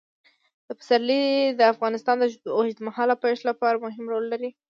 پسرلی د افغانستان د اوږدمهاله پایښت لپاره مهم رول لري.